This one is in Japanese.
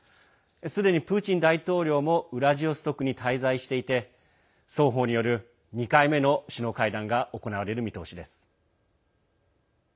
すでにプーチン大統領もウラジオストクに滞在していて双方による２回目の首脳会談が行われる見通しです。